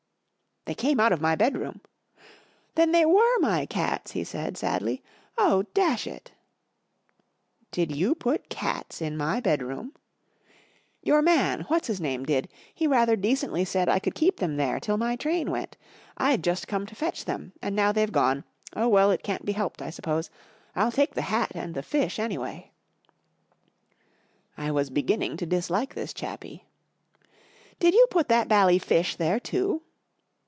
44 They came out of my bedroom." <# Then they uiere my cats !" he said, sadly. 44 Oh, dash it !" 44 Did you put cats in my bedroom ?" 44 Your man, what's his name, did. He rather decently said I could keep them there till my train went. I'd just come to fetch them. And now they've gone ! Oh, well, it can't be helped, I suppose. I'll take the hat and the fish, anyway." I was beginning to dislike this chappie. ■# Did you put that bally fish there, too